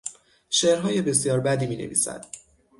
شعرهای بسیار بدی مینویسد.